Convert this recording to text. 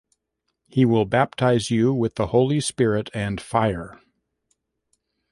He will baptize you with the Holy Spirit and fire.